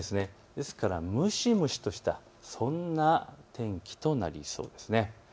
ですから蒸し蒸しとした、そんな天気となりそうです。